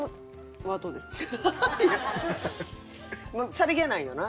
さりげないよな。